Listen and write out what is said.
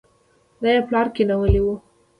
دا يې پلار کېنولې وه.